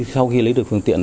sau khi lấy được phương tiện